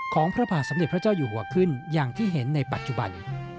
พระบาทสมเด็จพระเจ้าอยู่หัวขึ้นอย่างที่เห็นในปัจจุบัน